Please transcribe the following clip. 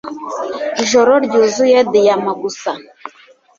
Ijoro ryuzuye diyama gusa